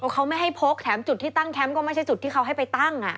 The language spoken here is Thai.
เขาไม่ให้พกแถมจุดที่ตั้งแคมป์ก็ไม่ใช่จุดที่เขาให้ไปตั้ง